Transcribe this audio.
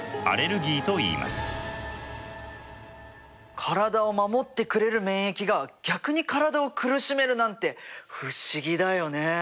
体を守ってくれる免疫が逆に体を苦しめるなんて不思議だよね。